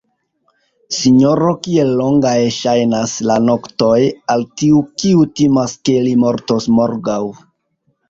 sinjoro, kiel longaj ŝajnas la noktoj al tiu, kiu timas, ke li mortos morgaŭ!